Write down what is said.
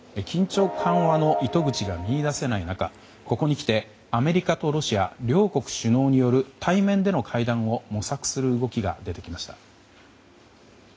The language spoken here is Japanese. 緊張緩和の糸口が見いだせない中ここにきて、アメリカとロシア両国首脳による対面での会談を模索する動きが出てきました。